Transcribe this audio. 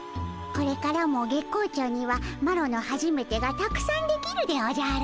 これからも月光町にはマロのはじめてがたくさんできるでおじゃる。